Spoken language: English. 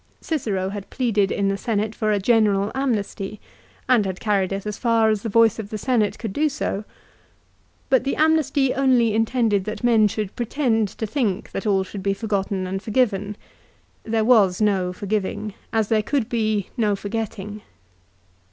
Cicero had pleaded in the Senate for a general amnesty, and had carried it as far as the voice of the Senate could do so. But the amnesty only intended that men should pretend to think that all should be forgotten and forgiven. There was no forgiving, as there could be no forgetting.